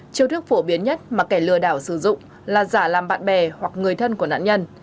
chiêu thức phổ biến nhất mà kẻ lừa đảo sử dụng là giả làm bạn bè hoặc người thân của nạn nhân